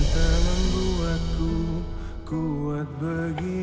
cinta membuatku kuat begini